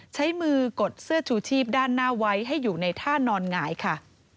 ใช้มือกดเสื้อชูชีพด้านหน้าไว้ให้อยู่ในท่านอนหงายค่ะ